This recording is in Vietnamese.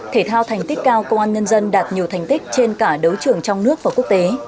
thể thao thành tích cao công an nhân dân đạt nhiều thành tích trên cả đấu trường trong nước và quốc tế